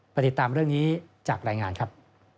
ติดตามเรื่องนี้จากรายงานครับ